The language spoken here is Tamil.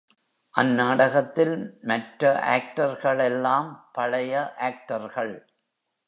அந்நாடகத்தில் மற்ற ஆக்டர்களெல்லாம் பழைய ஆக்டர்கள்.